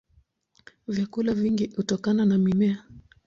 Vyakula vingi hutokana na mimea.